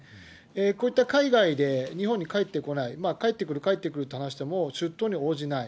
こういった海外で日本に帰ってこない、帰ってくる、帰ってくると話しても、出頭に応じない。